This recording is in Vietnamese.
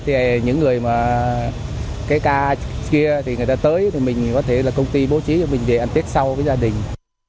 thì những người mà cái ca kia thì người ta tới thì mình có thể là công ty bố trí cho mình về ăn tết sau với gia đình